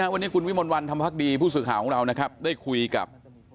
วันนี้คุณวิมลวันธรรมพักดีผู้สื่อข่าวของเรานะครับได้คุยกับ